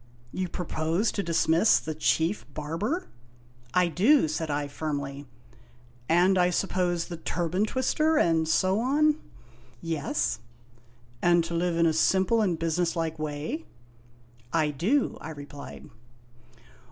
You propose to dismiss the Chief Barber ?"" I do," said I firmly. " And, I suppose, the Turban Twister, and so on ?" "Yes." "And to live in a simple and businesslike way?" " I do," I replied.